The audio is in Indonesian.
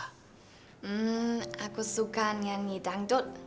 hmm aku suka nyanyi dangdut